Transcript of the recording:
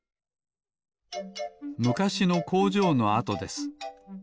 むかしのこうじょうのあとです。